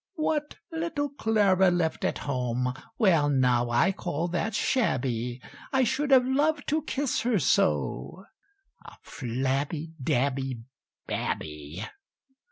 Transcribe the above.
"What! little Clara left at home? Well now I call that shabby: I should have loved to kiss her so (A flabby, dabby, babby!)